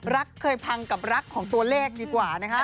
เคยพังกับรักของตัวเลขดีกว่านะคะ